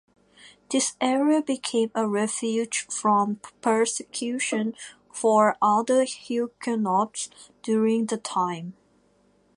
This area became a refuge from persecution for other Huguenots during the time.